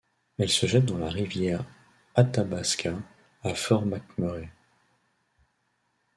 Elle se jette dans la rivière Athabasca à Fort McMurray.